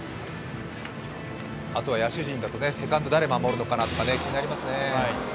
あとは野手陣だとセカンド誰が守るのかなとか気になりますね。